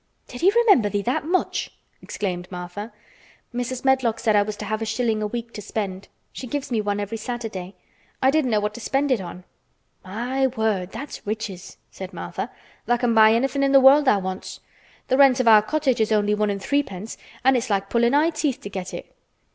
"Did he remember thee that much?" exclaimed Martha. "Mrs. Medlock said I was to have a shilling a week to spend. She gives me one every Saturday. I didn't know what to spend it on." "My word! that's riches," said Martha. "Tha' can buy anything in th' world tha' wants. Th' rent of our cottage is only one an' threepence an' it's like pullin' eye teeth to get it.